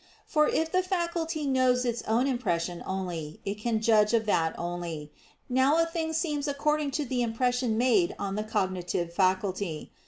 For if the faculty knows its own impression only, it can judge of that only. Now a thing seems according to the impression made on the cognitive faculty.